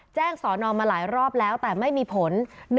สอนอมาหลายรอบแล้วแต่ไม่มีผล